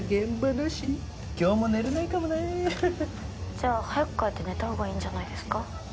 じゃあ早く帰って寝た方がいいんじゃないですか？